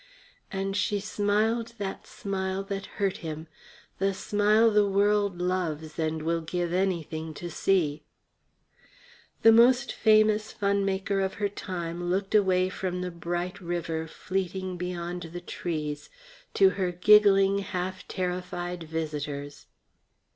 And she smiled that smile that hurt him, the smile the world loves and will give anything to see. The most famous funmaker of her time looked away from the bright river fleeting beyond the trees to her giggling, half terrified visitors.